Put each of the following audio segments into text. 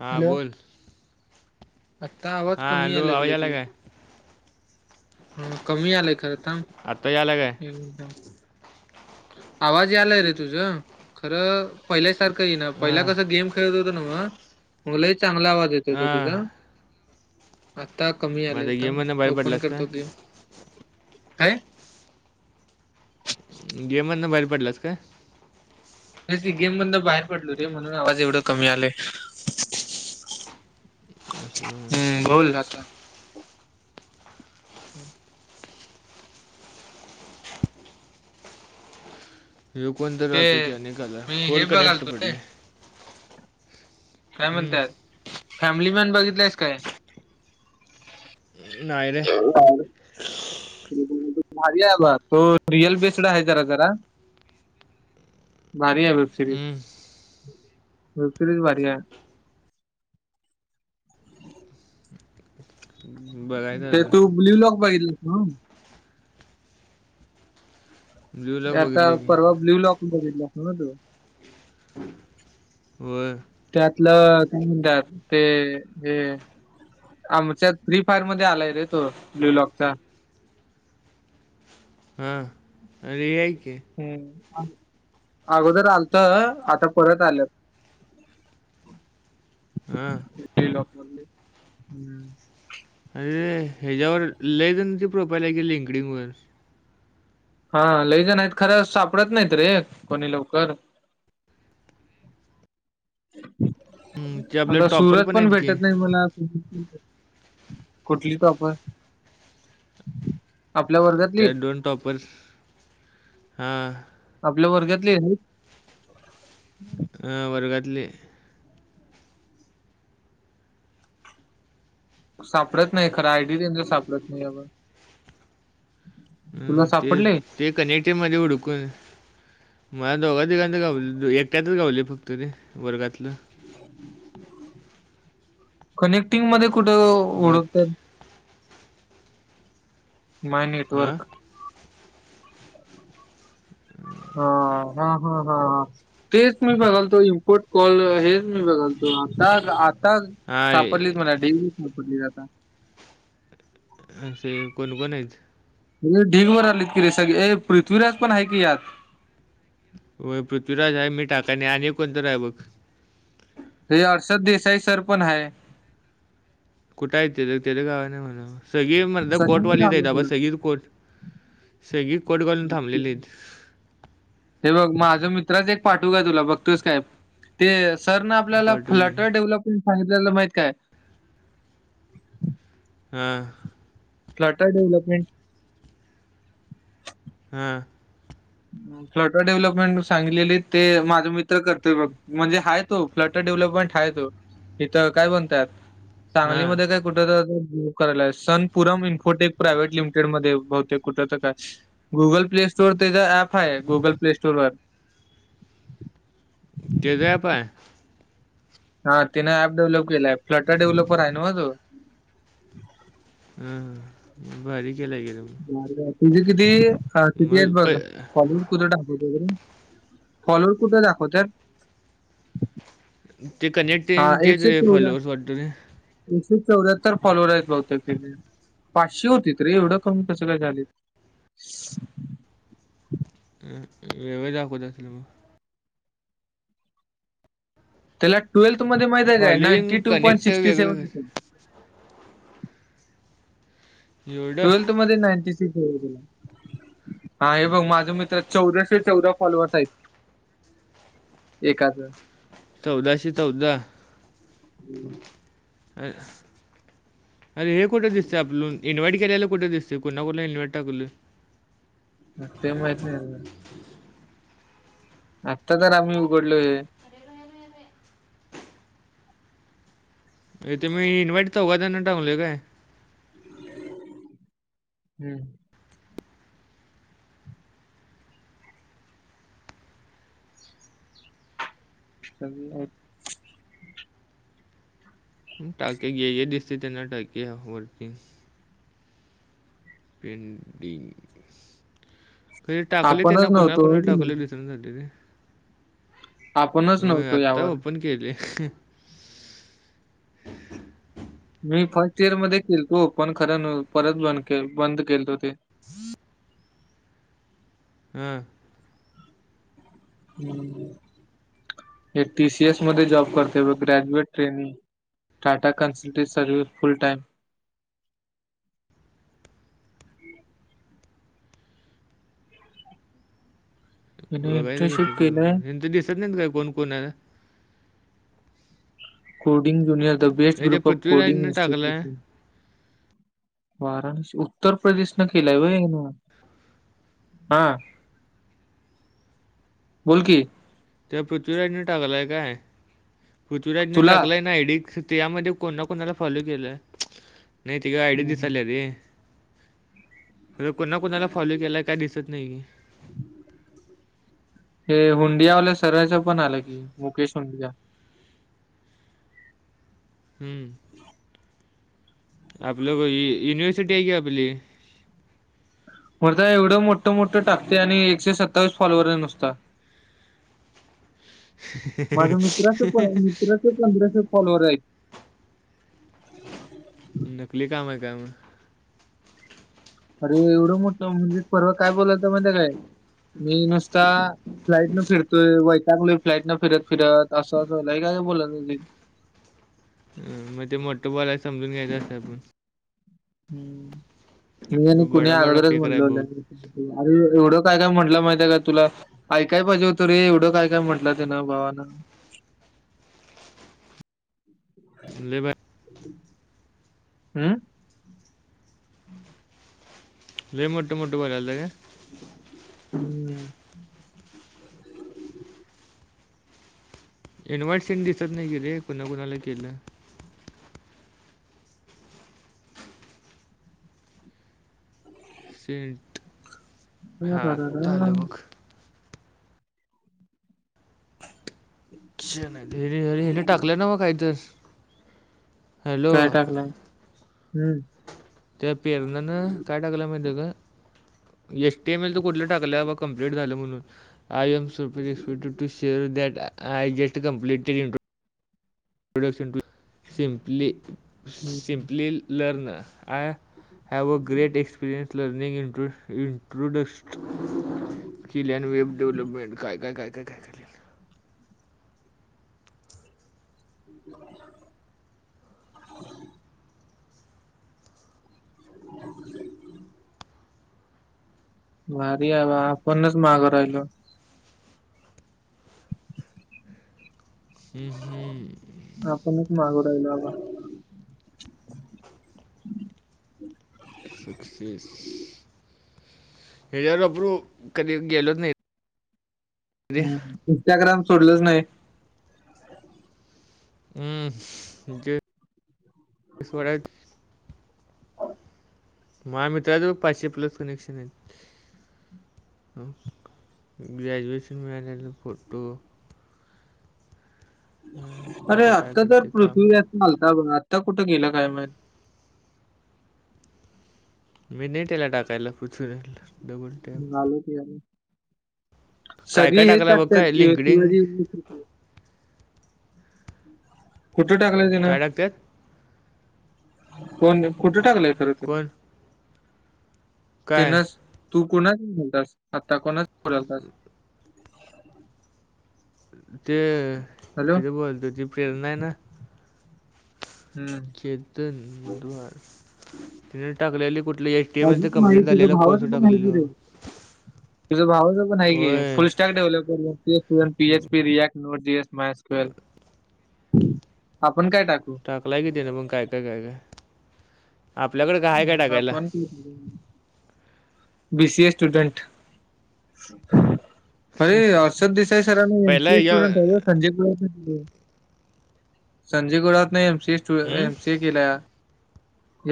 हा हॅलो बोल आत्ता आवाज हा कमी हॅलो यायला आवाज लागलाय आला काय. हा कमी आलंय खरं थांब. आत्ता यायला काय आवाज आलाय रे तुझ खरं पहिल्या सारखं ये ना पहिला हां कस गेम खेळत होत नवं, मग लय चांगला आवाज येत का हां तुझा? आता कमी आले माझ्या गेममधनं थांब बाहेर ओपन पडलास का करतो गेम, काय? गेम मधन बाहेर पडलास काय. तेच की गेम मदन बाहेर पडलो रे म्हणून आवाज एवढं कमी आले. असं हम्म बोल आता. [unintelligible] यू कोण तर ते राहतो की अनेकला मी फोअर हे कनेक्ट बघालतो रे पडले. काय हम्म, म्हणतत? फॅमिली मॅन बघितलंयस काय? नाही रे. [unintelligible] [inaudible] भारी आहे बघ होय रिअल बेस्ड आहे जरा जरा. भारी आहे वेबसिरीज हम्म, वेबसिरीज भारी आहे. बघायचं ते अजून तू ब्ल्यू लॉक बघितलास न्हाव ब्ल्यू ते लॉक आता बघितले की परवा ब्ल्यू लॉक बघितला अस ना तू. व्हय. त्यातलं का म्हणतात ते हे. आमच्यात फ्री फायर मध्ये आलाय रे तो ब्ल्यूलॉकचा. हां. अरे आहे की. वय अगोदर आलतं आता परत आल्यात. [inaudible] हा. [unintelligible] अरेे, ह्याच्यावर लेझनची प्रोफाईल आहे क लिंकडींगवर. हा लईजणत खरं सापडत नाहीत रे कोणी लवकर ते आपले आता टॉपर सुरत पण आहेत की भेटत नाही मला कुठली कापर त्या डोंट ऑपर हा. आपल्या वर्गातले आहेत. ह वर्गातली. सापडत नाही खरं, आयडी त्यांजर सापडत नाही अग. हम्म ते सापडले ते कनेक्टर मध्ये उडकून मला दोघा दिघां तर गावल, एकट्यातच गावलं फक्त तरी, वर्गातलं. हम्. कनेक्टिंग मध्ये कुठे? बाकी उडकत्यात. माय हां नेटवर्क. हा हा हा हा हा. तेच मी बघालतो इम्पोर्ट कॉल हेच मी बघालतो आता आता हां सापडलीच ए- मणा डेली सापडली आता असे कोण कोण आहेत. म्हे ढिगभर रालीत की रे ए सगळे पृथ्वीराज पण आहे की यात. हो पृथ्वीराज आहे मी टाका नाही आणि कोणतं आहे बघ. हे अर्षद देसाई सर पण आहे. कुठं आहे ते त्याला गावा नाही म्हणा. सगळे मर्दा सगळ्यांनीच कोटवालेच आलो आहे बा सगळं. सगळेच कोट सगळे कोट घालून थांबलेली आहेत. हे बघ माझं मित्रच एक पाठू का तुला बघतोस काय? ते सर ना आपल्याला पाठव की फ्लटर डेव्हलपमेंट सांगितलेलं माहित काय? हम. फ्लाटा डेव्हलपमेंट हा. फ्लट डेव्हलपमेंट सांगलेली ते माझा मित्र करते बघ म्हणजे हा. फ्ल डेव्हलपमेंटातो इथ काय बणतयात हां सांगलीमध्ये काय? कुठ करायला आहे सनपुरम इन्फोटे प्राय्हेट लिमिेड मध्ये बहते कुठ तर काय? गुगल प्ले स्टोर त्याचा ऍप आहे गुगल प्ले स्टोर वर के ज पय. हा तिने ऍप डेव्हलप केलाय प्लॅटा डेव्हलपर आहे ना म तो हं बारी केलं गे त. ब तुझे किती किती आहेत मग बघ प फॉल. कुठं दाखवत फॉलोवर कुठं दाखवतात. ते हा कनेक्टन एकशे ते चौऱ्या फॉलोअर्स वाटतं. एकशे चौऱ्यात्तर फॉलोअवर आहेत बघुते तिकथडे. पाचशे होती रे एवढं कमी कसं काय झाले. [inaudible] दाखवत मग त्याला ट्वेल्थ मध्ये माहिती आहे काय following ninety two point connect sixty वेगळं सेव्हन. एवढं टुवेल्थ मध्ये नाईंटी सीक्स तुला हा हे बघ माझा मित्राचे चौदाशे चौदा फॉलोअर्स आहेत. एकाचं. चौदाशे चौदा हम्म. अ. अर हे कुठं दिसंय आपलं इन्व्हाइट केल्याला कुठं दिसतेय कोणा कोुला इन्व्हाइट टाकलं. ते माहत नाही. आत्ता तर आम्ही उघडलो हे. इथं मी इन्व्हाइट तर चौघा जना काय? हम्म स [unintelligible] टाके घे दिसते त्यांना टाके वरतींग [unintelligible] टाकले त्यांना आपणच कुणा नव्हतो हो कुणाला की नाही. टाकले दिस आपणच नव्हतो आता यावर. ओपन केलय. मी फर्स्ट इयर मध्ये केलतो, पण खरं परत बंद केल बंद केलतो ते. हम्म ह हे टी सी एस मध्ये जॉब करतोय बी ग्रॅज्युएट आहे मी. Tata consultancy service full time हिने बघायच कसं? इंटर्नशिप कोण केलंय कोण दिसत नाही काय कोण कोणाला कोडिंग ज्युनियर द बेस्ट हे त्या ग्रुप ऑफ कोडिंग पृथ्वीराजनं टाकलाय इन्स्टिट्यूटन वाराणसी उत्तर प्रदेशला केेलाय वय हेनं. हा बोल की, त्या पृथ्वीराजने टाकलाय काय, पृथ्वीराजने तुला टाकलाय ना आय डी खरं त्यामध्ये कोणा कोणाला फॉलो केलं, नाही त का आयड हं, हं. दिसाल रे. खर कोणा कोणाला फॉलो केलाय काय दिसत नाही की, हे हुंडिया वाल्या सराच पण आलं कि, मुकेश हुंडिया. हम्म आप लो हे युनिवर्सिटी आहे की आपली. मर्दा एवढं मोठं मोठं टाकते आणि एकशे सत्तावीस फॉलोवर आहे नुसता. माझ मित्राच प मित्राचे पंधराश फॉलोवर आहेत. हो नकली काम आहे का म? अरे एवढं मोठ म्हणजे परवा काय बोलालता माहिती आहे काय मी नुसता फ्लाईट न फिरतोय, वैतागलोय फ्लाईट नं फिर फिरत असंय का बो मग ते मोठं बोलालाय समजून घ्यायचं असतं आपण. हम् मी आणि बडा कुण्या बडा अगोदरच फेकर आहे म्हणलं होलं बहुत अ एवढं काय काय म्हटलं महिती आहे का तुला? ऐकाय पाहिजे हो त रे एवढं काय काय म्हंटलं ते ना भावाना. लय बा हम्म लय मोठे मोठं बोलालता काय हम्म इन्व्हाइट सिन दिसत नाही की रे, कुणा कुणाला केलं? शट, हा आता आल अरररर. बघ. अचछ नाही हेने टाकलंय नव्ह काहीतर काय टाकलंय, हम्म त्या पेरणा ना काय टाकला माहिती आहे का? एच टी एम एल चं कुठलं टाकल्या बाबा कंप्लीट झालं म्हणून I am super [unintelligible] to share that I just completed प्रोडक्श ट simply hmm. Simply learn I have a great experience learning in intro introduction skill and web development काय काय काय काय काय काय हो भारी आहे, आपणच मागं राहिलो. हम्म हम्म मीच मागं राहिलो आबा. सक्सेस हजर अपर कधी गेलोच नाही रे हम् इंस्टाग्राम सोडलंच नाही ह जेस वाढ महा मित्राचो पाचशे प्लस कनेक्शन आहे ग्रॅज्युएशन मिळालेलं फोटो [inaudible] अं, अरे फोटो काय आत्ता तरर करते काम पृथ्वी चालता ब आत्ता कुठं गेलं काय माहि मी नेट त्याला टाकायला पुचून आलो काय सगळी काय हेच टाकला बघ काय टाकतात लिंकडिंग शिवाजी कुठं टाकलंय त्यानं काय टाकतात कोण कुठे टाकलंय खर त ना कोण काय तेनच तू कोणाच बलतस आत्ता कोणाच बडलतस ते हॅलो तिथे बोलतो ती प्रेरणा आहे ना हम्म चेतन मधवार तिने टाकलेली कुठली ए अजीच माहिती तुझ्या भावाची पण हा की रं तुझं भाचं पण आहे की होय फुल स्टॅक ठेवल पीएच पी रिक्ट नट ज एस मायक्वेल आपण काय टाकू टाकलाय किती ना मग काय काय काय काय आपल्याकडे काय काय हम्म, टाकायला आपण बीसीए स्टुडंट हर अर्षोद देसाई सर एम पहिला सी ए या स्टुडंट आहे होय संजय गुड संजय गुळात नाही एमसीए हं? एमसी ए केला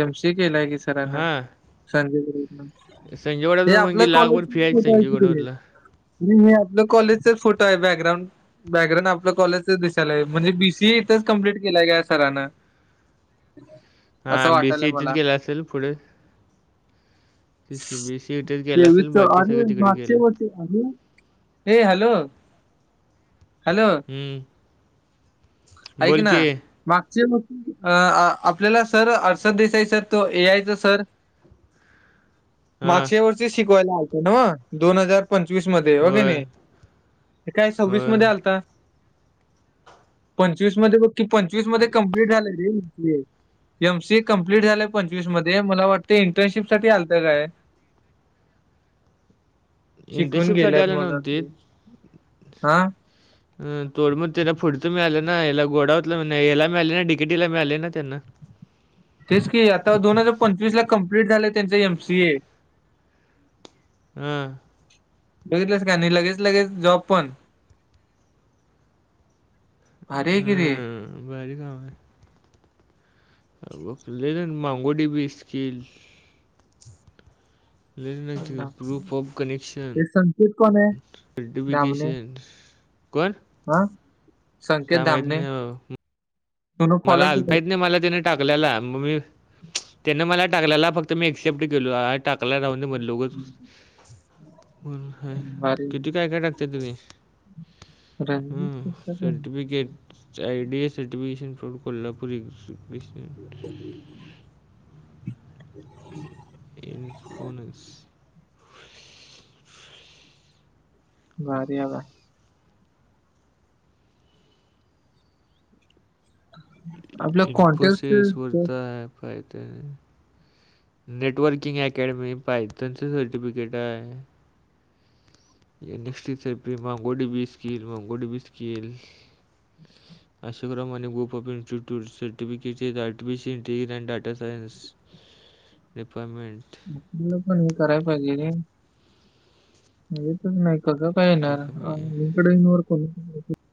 एम सी केलाय की सरांना हां संजय गप संजय ते गडावर मग आपल्या कॉलेज लाखभर फी आहे संजय कठ गडावरला हे आपलं कॉलेजचाच फोटो आहे बॅकग्राउंड बॅकग्राउंड आपलं कॉलेज दिसायला आहे म्हणजे बीसी ए इथंच कम्प्लीट केल्याय का सरानं हा असं बीसी वाटायलंय इथच मला केला असेल पुढे सी सी बी सी इथेच गेला असेल बाकी सगळ तिकडे गेलं ॅ हे हॅलो हॅलो ह ऐक ना मागचे आपल्याला सर अडच देसाय स तो ए यायच सर हां, मागश वर्षी शिकवायला आत ना म दोन हजार पंचवीस मध्ये हो की होय, नाही ते काय सव्वीस होय. मध्ये आलता पंचवीस मध्ये बकी पंचवीस मध्ये कम्प्लीट झालंय रे एम सी कंप्लीट झालंय पंचवीस मध्ये मला वाटतं इंटर्नशिप सा आलतं काय [unintelligible] शिकून इंटर्नशिपसाठी गेल्यात आले मग नव्हतीत. तू हा अ तोड मग त्याला फुडचं मिळालं ना याला गोडावतलं म्हण यायला मिळाले ना डिकेटीला मिळाले ना त्यांना तेच की आता दोन हजार पंचवीस ला कम्प्ललीट झालंय त्यांच एमसी ए हम्म बघितलंस का नाही लगेच लगेच जॉब पण भारी आहे की रे ह बार काम आहे ले मांगोडी बीस किील प्रूफ ऑफ कनेक्शन संकित कोण आहे? नोटिफिकेशन कर हह काय माहत नाही तुनं फॉलो मला केलं माहत नाही मला त्या टाकल्याला म त्या मला टाकल्याला फक्त मी एक्सेप्ट केलो. टाकय राह म लोच भारी किती काय काय टाक. रणजित हम पुस्तकाने. Certificate ID S certification Kolhapur [unintelligible] इन्फोनस. भारी आहे बा. आपलं कॉन्टॅक्ट इनफोसेस व्रता अँप आहे ते नेटवर्किंग अकॅडमी पाहिट त्यांचं सर्टिफिकेट आहे. या नेक्स्टप मगोडी बी स्कील मगोडी बी स्कील ह. अशाक्रमा आणि ग्रप ऑफ इंस्ट्यूटर्टफेटचे आहेतर्टफिल इंटिर अँडाटा सायनस. ह. िपार्टमेंट. आपल्याला पण हे करायला पाहिजे रे. हेच नाही कसं काय टाका मी येणारकडे कोणी